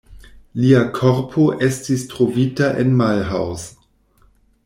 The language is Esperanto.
Lia korpo estis trovita en Mulhouse.